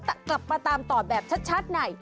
เดี๋ยวกลับมาตามตอบแบบชัดหน่ะ